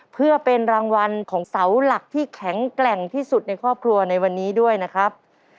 เพื่อเป็นรางวัลของเสาหลักที่แข็งแกร่งที่สุดในครอบครัวในวันนี้ด้วยนะครับ